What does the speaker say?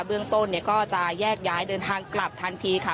เบื้องต้นก็จะแยกย้ายเดินทางกลับทันทีค่ะ